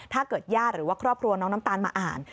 ญาติหรือว่าครอบครัวน้องน้ำตาลมาอ่าน